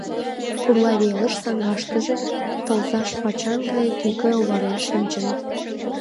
Пурла велым саҥгаштыже тылзаш пачан гае тӱкӧ оварен шинчын.